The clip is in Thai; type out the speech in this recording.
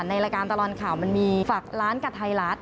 รายการตลอดข่าวมันมีฝากร้านกับไทยรัฐ